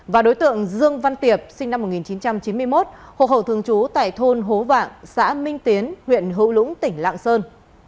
và đối tượng dương văn tiệp sinh năm một nghìn chín trăm chín mươi một hộ khẩu thường trú tại thôn hố vạng xã minh tiến huyện hữu lũng tỉnh lạng sơn